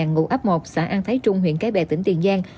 ngụ ấp một xã an thái trung huyện cái bè tỉnh tiền giang